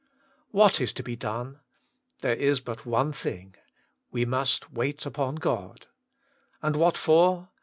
What is to be done 1 There is but one thing. We must wait upon God. And what for